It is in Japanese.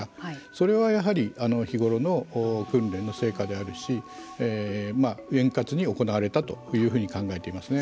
それはやはり日頃の訓練の成果であるし円滑に行われたというふうに考えています。